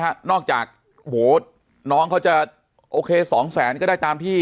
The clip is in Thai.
นอกจากโอ้โหน้องเขาจะโอเคสองแสนก็ได้ตามที่